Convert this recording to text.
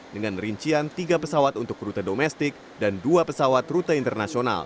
dengan rincian tiga pesawat untuk rute domestik dan dua pesawat rute internasional